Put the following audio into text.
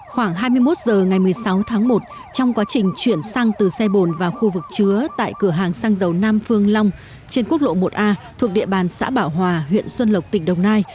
khoảng hai mươi một h ngày một mươi sáu tháng một trong quá trình chuyển xăng từ xe bồn vào khu vực chứa tại cửa hàng xăng dầu nam phương long trên quốc lộ một a thuộc địa bàn xã bảo hòa huyện xuân lộc tỉnh đồng nai